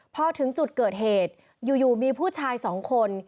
พอถึงจุดเกิดเหตุอยู่มีผู้ชายสองคน